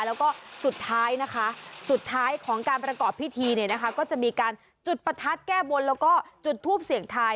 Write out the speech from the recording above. แล้วก็สุดท้ายนะคะสุดท้ายของการประกอบพิธี